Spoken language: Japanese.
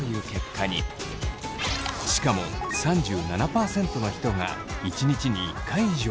しかも３７％の人が１日に１回以上。